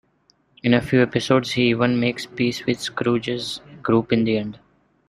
In a few episodes, he even makes peace with Scrooge's group in the end.